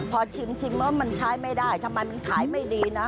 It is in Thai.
พอชิมแล้วมันใช้ไม่ได้ทำไมมันขายไม่ดีนะ